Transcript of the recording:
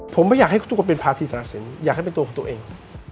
ผมไม่อยากให้ทุกคนเป็นภาษีสรรสินอยากให้เป็นตัวของตัวเอง